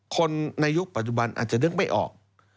คนในยุคปัจจุบันอาจจะนึกไม่ออก